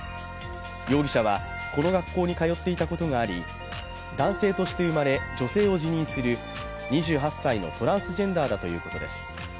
容疑者はこの学校に通っていたことがあり、男性として生まれ女性を自認する２８歳のトランスジェンダーだということです。